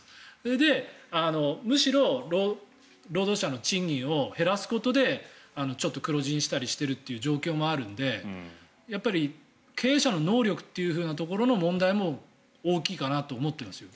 で、むしろ労働者の賃金を減らすことでちょっと黒字にしたりしてるって状況もあるので経営者の能力というふうなところの問題も大きいかなと思っていますよ。